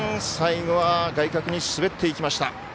最後は外角に滑っていきました。